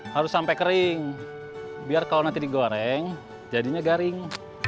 harus sampai kering biar kalau nanti digoreng jadinya garing